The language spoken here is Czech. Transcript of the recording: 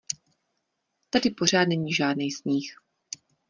Tady pořád není žádnej sníh.